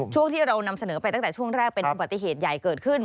ช่วงที่เรานำเสนอไปตั้งแต่ช่วงแรกเป็นอุบัติเหตุใหญ่เกิดขึ้น